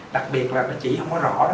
đặc biệt là nó chỉ không có rõ